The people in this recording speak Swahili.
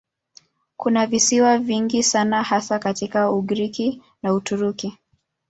Kuna visiwa vingi sana hasa kati ya Ugiriki na Uturuki.